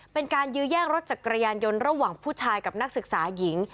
เป็นการยื้อแย่งรถจักรยานยนต์ระหว่างผู้ชายกับนักศึกษาหญิง